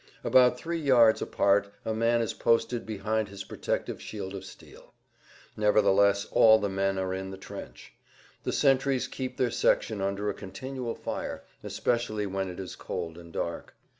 About three yards apart[Pg 159] a man is posted behind his protective shield of steel. Nevertheless all the men are in the trench. The sentries keep their section under a continual fire, especially when it is cold and dark.